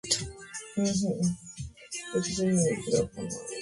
En España en puntos muy localizados de los Pirineos y Cordillera Cantábrica.